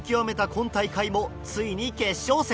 今大会もついに決勝戦。